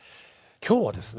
今日はですね